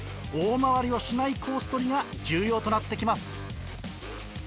大回りをしないコース取りが重要となって来ます。